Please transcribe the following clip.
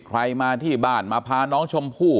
ใครมาที่บ้านมาพาน้องชมพู่